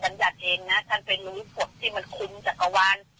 ฉันไม่ได้บรรยัติเองนะฉันไปรู้กฎที่มันคุมจักรวาล